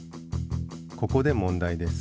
ここで問題です。